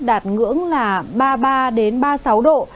đạt ngưỡng là ba mươi ba ba mươi sáu độ